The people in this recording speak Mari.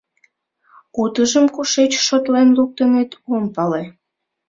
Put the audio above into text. Утыжым кушеч шотлен луктыныт — ом пале.